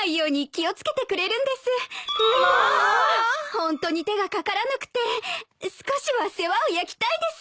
ホントに手が掛からなくて少しは世話を焼きたいです。